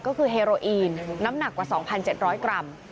ก็คือเฮโรอีนน้ำหนักกว่า๒๗๐๐กรัม